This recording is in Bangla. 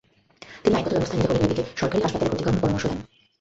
তিনি আইনগত ব্যবস্থা নিতে হলে মেয়েটিকে সরকারি হাসপাতালে ভর্তি করানোর পরামর্শ দেন।